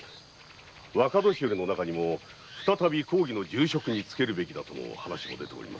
「若年寄」の中にも再び公儀の重職に就けるべきだとの声もあります。